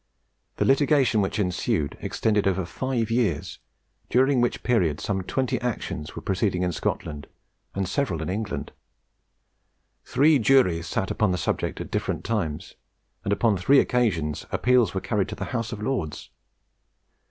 The litigation which ensued extended over five years, during which period some twenty actions were proceeding in Scotland, and several in England. Three juries sat upon the subject at different times, and on three occasions appeals were carried to the House of Lords.